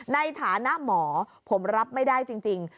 ในฐานะหมอผมรับไม่ได้จริง